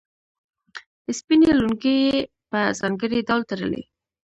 سپینې لونګۍ یې په ځانګړي ډول تړلې.